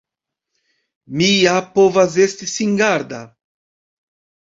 Mi ja povas esti singarda!